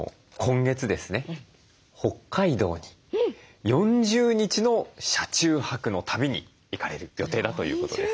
北海道に４０日の車中泊の旅に行かれる予定だということです。